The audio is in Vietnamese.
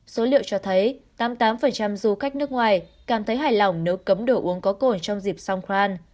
số liệu cho thấy tám mươi tám du khách nước ngoài cảm thấy hài lòng nếu cấm đồ uống có cồn trong dịp song khoan